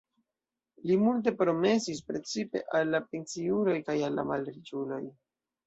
Li multe promesis precipe al la pensiuloj kaj al la malriĉuloj.